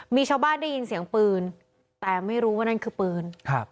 มีชาวบ้านได้ยินเสียงปืนแต่ไม่รู้ว่านั่นคือปืนครับ